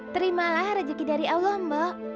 terimalah rezeki dari allah mbak